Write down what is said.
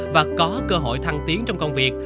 và có cơ hội thăng tiến trong công việc